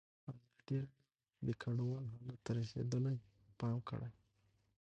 ازادي راډیو د کډوال حالت ته رسېدلي پام کړی.